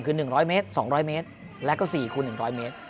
คือ๑๐๐เมตร๒๐๐เมตรและก็๔คูณ๑๐๐เมตร